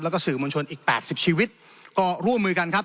แล้วก็สื่อมวลชนอีก๘๐ชีวิตก็ร่วมมือกันครับ